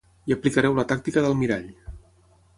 Hi aplicareu la tàctica del mirall.